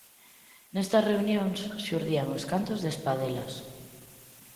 Nestas reunións xurdían os cantos de espadelas.